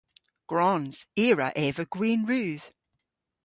Gwrons. I a wra eva gwin rudh.